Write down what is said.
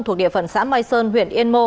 thuộc địa phận xã mai sơn huyện yên mô